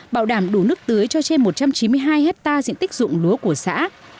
bảo đảm đủ nước tưới cho trên một trăm chín mươi hai hectare diện tích dụng lúa của xã